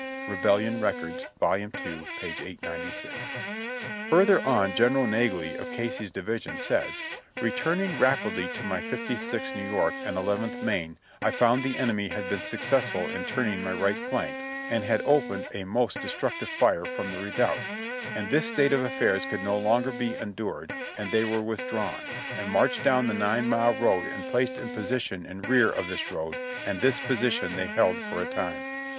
(Rebellion Records, Vol. 11, p. 896.) Further on General Naglee, of Casey's division, says: "Re turning rapidly to my Fifty sixth New York and Eleventh Maine, I found the enemy had been successful in turning my right flank, and had opened a most destructive fire from the redoubt, and this state of affairs could no longer be endured and they were with drawn, and marched down the Nine mile road and placed in posi tion in rear of this road, and this position they held for a time.